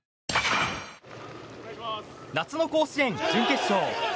夏の甲子園準決勝。